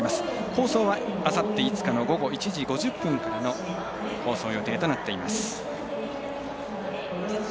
放送は、あさって５日の午後１時５０分からの放送予定となっています。